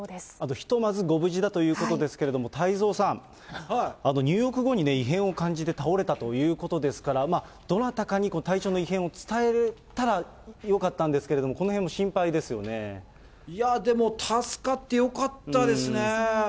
ひとまずご無事だということですけれども、太蔵さん、入浴後に異変を感じて倒れたということですから、どなたかに体調の異変を伝えたらよかったんですけれども、でも、助かってよかったですね。